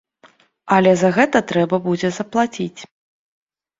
Але за гэта трэба будзе заплаціць.